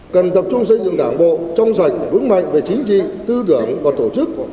cần tập trung xây dựng đảng bộ trong sạch vững mạnh về chính trị tư tưởng và tổ chức